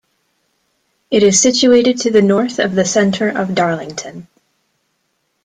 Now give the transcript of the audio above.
It is situated to the north of the centre of Darlington.